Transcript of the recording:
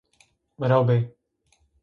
Rew bê